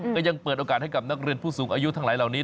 ก็ยังเปิดโอกาสให้กับนักเรียนผู้สูงอายุทั้งหลายเหล่านี้